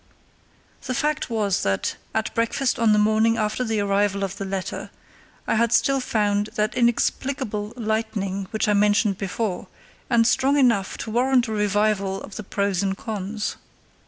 The fact was that, at breakfast on the morning after the arrival of the letter, I had still found that inexplicable lightening which I mentioned before, and strong enough to warrant a revival of the pros and cons.